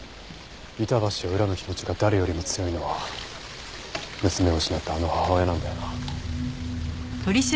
板橋を恨む気持ちが誰よりも強いのは娘を失ったあの母親なんだよな。